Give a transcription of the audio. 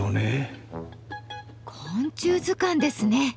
昆虫図鑑ですね。